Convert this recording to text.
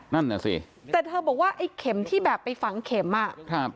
นั่นน่ะสิแต่เธอบอกว่าไอ้เข็มที่แบบไปฝังเข็มอ่ะครับ